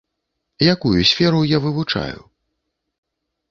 Якую сферу я вывучаю?